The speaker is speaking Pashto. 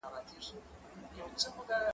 زه بايد مړۍ وخورم